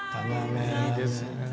いいですね。